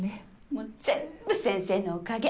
もう全部先生のおかげ。